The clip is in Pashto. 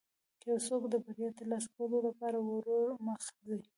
که یو څوک د بریا ترلاسه کولو لپاره ورو مخکې ځي.